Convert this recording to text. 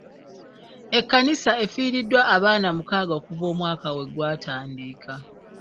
Ekkanisa effiriddwa abaana mukaaga okuva omwaka we gwatandika.